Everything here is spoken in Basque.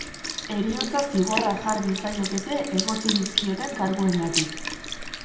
Heriotza zigorra jar diezaiokete egotzi dizkioten karguengatik.